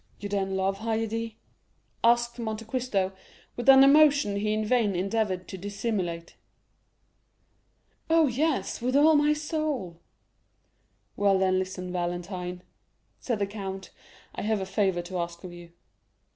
"You then love Haydée?" asked Monte Cristo with an emotion he in vain endeavored to dissimulate. "Oh, yes, with all my soul." "Well, then, listen, Valentine," said the count; "I have a favor to ask of you."